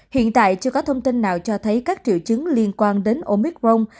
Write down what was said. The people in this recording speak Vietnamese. hiện tại chưa có thông tin nào cho thấy các triệu chứng liên quan đến omicron